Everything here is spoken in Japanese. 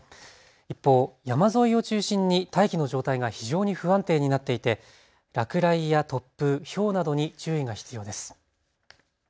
一方、山沿いを中心に大気の状態が非常に不安定になっていて落雷や突風、ひょうなどに注意が必要です。